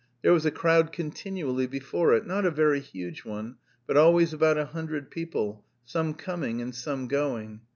There was a crowd continually before it, not a very huge one, but always about a hundred people, some coming and some going.